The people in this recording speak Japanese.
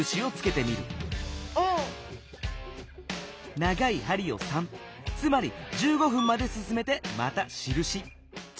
長い針を３つまり１５分まですすめてまたしるし。